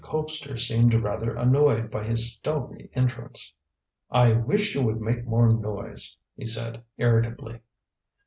Colpster seemed rather annoyed by this stealthy entrance. "I wish you would make more noise," he said irritably.